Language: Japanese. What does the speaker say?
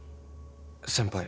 先輩。